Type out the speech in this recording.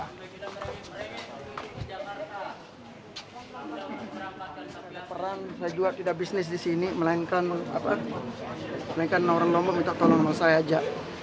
perang saya juga tidak bisnis di sini melainkan orang lombok minta tolong pada saya saja